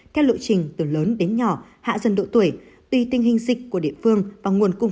theo lộ trình từ lớn đến nhỏ hạ dần độ tuổi tùy tình hình dịch của địa phương và nguồn cung